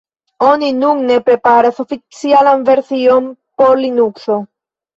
Oni nun ne preparas oficialan version por Linukso.